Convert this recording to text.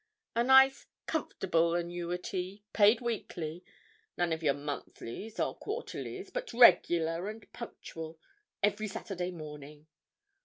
A nice, comfortable annuity, paid weekly—none of your monthlies or quarterlies, but regular and punctual, every Saturday morning.